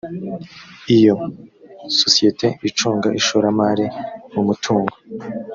iyo sosiyete icunga ishoramari mu mutungo